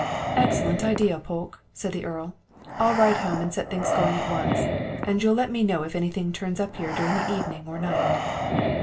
"Excellent idea, Polke," said the Earl. "I'll ride home and set things going at once. And you'll let me know if anything turns up here during the evening or the night."